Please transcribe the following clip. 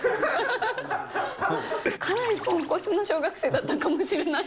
かなりポンコツな小学生だったのかもしれない。